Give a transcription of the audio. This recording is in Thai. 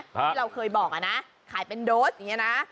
ที่เราเคยบอกอะนะขายเป็นโดสอย่างนี้นะ